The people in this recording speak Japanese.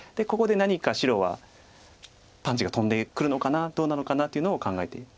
ここで何か白はパンチが飛んでくるのかなどうなのかなというのを考えて。